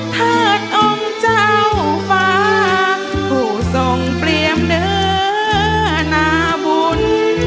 ธาตุองค์เจ้าฟ้าผู้ทรงเปรียมเนื้อนาบุญ